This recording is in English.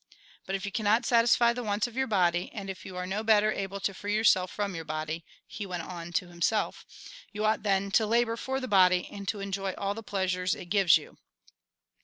" But if you cannot satisfy the wants of your Dody, and if you are no better able to free yourself from your body," he went on to himself, " you ought, then, to labour for the body, and to enjoy all the pleasures it gives you."